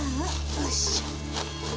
よいしょ。